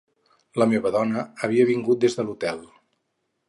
La meva dona havia vingut des de l'hotel